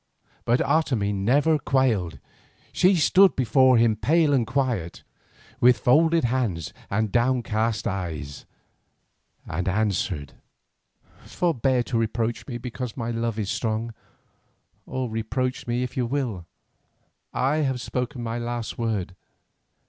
But Otomie never quailed; she stood before him pale and quiet, with folded hands and downcast eyes, and answered: "Forbear to reproach me because my love is strong, or reproach me if you will, I have spoken my last word.